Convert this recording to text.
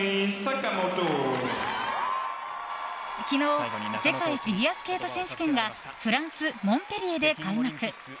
昨日世界フィギュアスケート選手権がフランス・モンペリエで開幕。